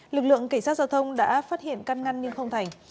lực lượng cảnh sát giao thông đã phát hiện căn ngăn nhưng không thành